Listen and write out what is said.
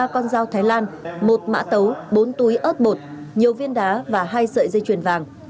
ba con dao thái lan một mã tấu bốn túi ớt bột nhiều viên đá và hai sợi dây chuyền vàng